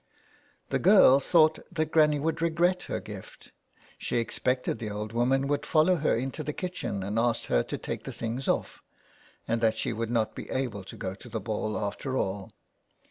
The girl thought that Granny would regret her gift. She expected the old woman would follow her into the kitchen and ask her to take the things off, and that she would not be able to go to the ball after all.